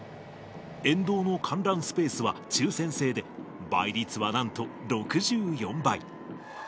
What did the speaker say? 沿道の観覧スペースは抽せん制で、倍率はなんと６４倍。